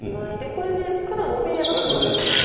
これで黒はノビればツナがりますか。